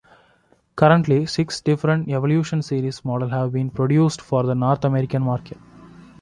Currently, six different Evolution Series models have been produced for the North American market.